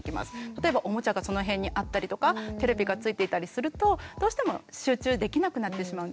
例えばおもちゃがその辺にあったりとかテレビがついていたりするとどうしても集中できなくなってしまうんですよね。